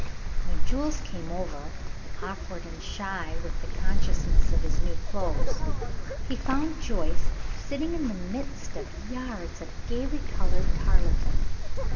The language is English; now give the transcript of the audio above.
When Jules came over, awkward and shy with the consciousness of his new clothes, he found Joyce sitting in the midst of yards of gaily colored tarletan.